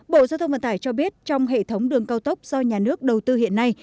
bộ giao thông vận tải cho biết trong hệ thống đường cao tốc do nhà nước đầu tư hiện nay